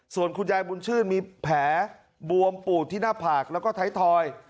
ส่วนคุณยายบุญชื่นมีแผลบวมปูดที่หน้าผากแล้วก็ไทยทอย